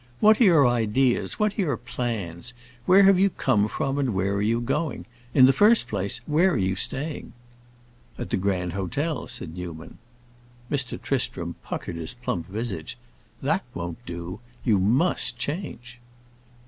What are your ideas, what are your plans, where have you come from and where are you going? In the first place, where are you staying?" "At the Grand Hotel," said Newman. Mr. Tristram puckered his plump visage. "That won't do! You must change."